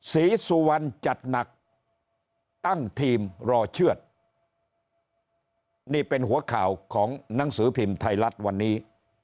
ศรีสุวรรณจัดหนักตั้งทีมรอเชื่อดนี่เป็นหัวข่าวของหนังสือพิมพ์ไทยรัฐวันนี้